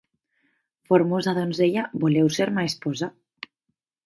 Formosa donzella, voleu ser ma esposa?